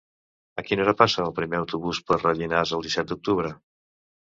A quina hora passa el primer autobús per Rellinars el disset d'octubre?